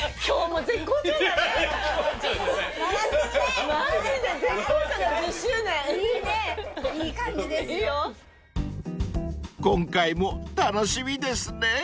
［今回も楽しみですね］